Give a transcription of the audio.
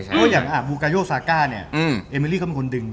เพราะอย่างวิลล่ากายโสกามิริก็เป็นคนดึง